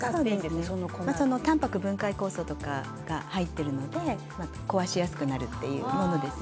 たんぱく分解酵素とかが入っているので壊しやすくなるというものですね。